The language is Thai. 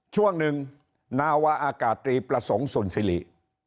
ช่วงหนึ่งนาวาอากาศตรีประสงค์สุนสิริ